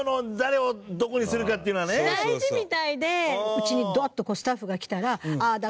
うちにダーッとこうスタッフが来たらああだ